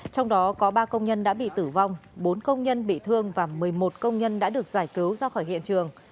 trong đó có ba công nhân đã bị tử vong bốn công nhân bị thương và một mươi một công nhân đã được giải cứu ra khỏi hiện trường